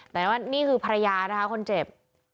แต่นี่คือภรรยาค่ะคนเจ็บ